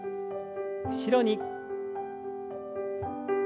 後ろに。